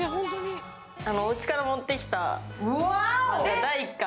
うちから持ってきた第１巻。